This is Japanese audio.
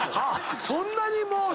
そんなにもう。